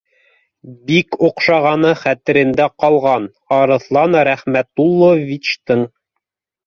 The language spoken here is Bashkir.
Бик оҡшағаны хәтерендә ҡалған Арыҫлан Рәхмәтулловичтың